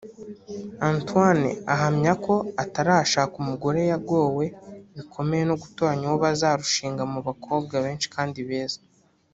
Antoine ahamya ko atarashaka umugore yagowe bikomeye no gutoranya uwo bazarushinga mu bakobwa benshi kandi beza